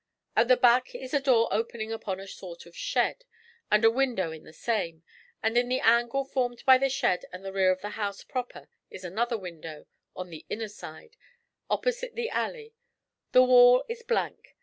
At the back is a door opening upon a sort of shed, and a window in the same; and in the angle formed by the shed and the rear of the house proper is another window; on the inner side, opposite the alley, the wall is blank.